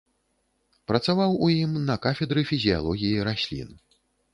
Працаваў у ім на кафедры фізіялогіі раслін.